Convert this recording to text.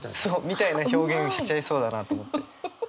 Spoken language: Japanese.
みたいな表現しちゃいそうだなと思って。